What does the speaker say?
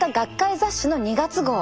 雑誌の２月号。